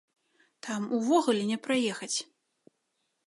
Там увогуле не праехаць!